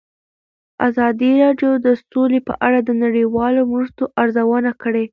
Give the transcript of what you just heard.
ازادي راډیو د سوله په اړه د نړیوالو مرستو ارزونه کړې.